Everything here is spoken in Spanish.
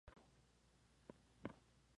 Violeta la viene pasando mal.